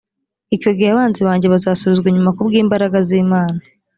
icyo gihe abanzi banjye bazasubizwa inyuma ku bw’imbraga z’imana